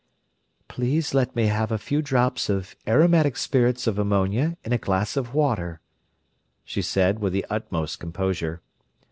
"Please let me have a few drops of aromatic spirits of ammonia in a glass of water," she said, with the utmost composure.